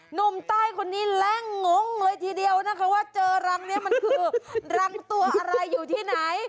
หนุ่มใต้คนนี้แล่งงงเลยทีเดียวนะคะว่าเจอรังนี้มันคือรังตัวอะไรอยู่ที่ไหน